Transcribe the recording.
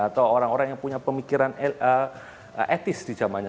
atau orang orang yang punya pemikiran etis di zamannya